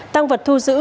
tang vật thu giữ